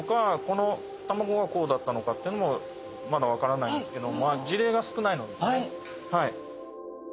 この卵がこうだったのかってのもまだ分からないんですけど事例が少ないのですねはい。